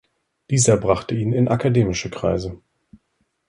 Dieser brachte ihn in akademische Kreise.